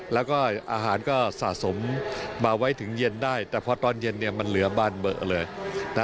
แล้วก็อาหารก็สะสมมาไว้ถึงเย็นได้แต่พอตอนเย็นเนี่ยมันเหลือบานเบอร์เลยนะ